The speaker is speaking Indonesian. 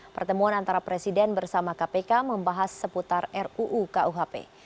pertemuan antara presiden bersama kpk membahas seputar ruu kuhp